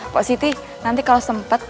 pak siti nanti kalau sempet